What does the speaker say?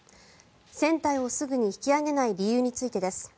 船体をすぐに引き揚げない理由についてです。